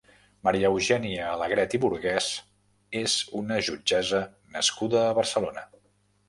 Maria Eugènia Alegret i Burgués és una jutgessa nascuda a Barcelona.